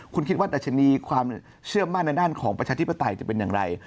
คุณคิดว่าดัชนีความเชื่อมั่นในด้านของประชาธิปไตยจะเป็นอย่างไร